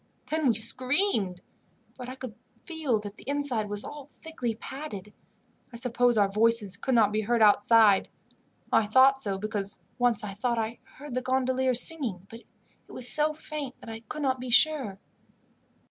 Then we screamed; but I could feel that the inside was all thickly padded. I suppose our voices could not be heard outside. I thought so, because once I thought I heard the gondoliers singing, but it was so faint that I could not be sure.